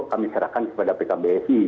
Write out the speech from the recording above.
kami serahkan kepada pkbsi